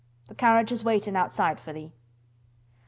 Th' carriage is waitin' outside for thee."